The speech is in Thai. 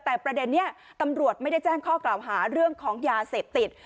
แต่ประเด็นนี้ตำรวจไม่ได้แจ้งข้อกล่าวหาเรื่องของยาเสพติด